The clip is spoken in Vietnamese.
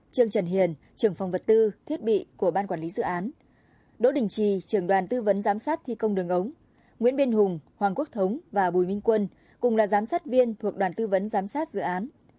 trương trần hiền trưởng phòng vật tư thiết bị của ban quản lý dự án đỗ đình trì trường đoàn tư vấn giám sát thi công đường ống nguyễn biên hùng hoàng quốc thống và bùi minh quân cùng là giám sát viên thuộc đoàn tư vấn giám sát dự án